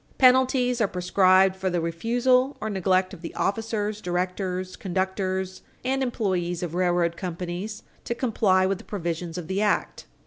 Penalties are prescribed for the refusal or neglect of the officers, directors, conductors and employees of railroad companies to comply with the provisions of the act.